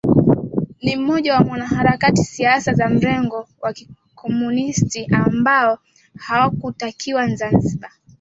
Ni mmoja wa wanaharakati wa siasa za mrengo wa Kikomunisti ambao hawakutakiwa Zanzibar